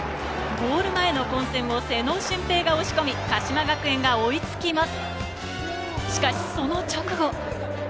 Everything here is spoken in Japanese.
ゴール前の混戦を妹尾俊兵が押し込み、鹿島学園が追いつきます。